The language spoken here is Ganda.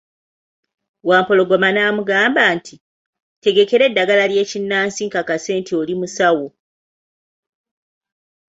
Wampologoma n'amugamba nti, ntegekera eddagala ly'ekinnansi nkakase nti oli musawo.